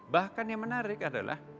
bahkan yang menarik adalah